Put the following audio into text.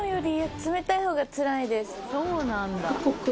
そうなんだ。